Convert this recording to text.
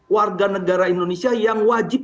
warga negara indonesia yang wajib